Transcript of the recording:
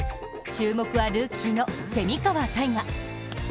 注目はルーキーの蝉川泰果。